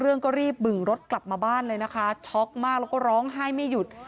เรื่องก็รีบบึงรถกลับมาบ้านเลยนะคะช็อกมากแล้วก็ร้องไห้ไม่หยุด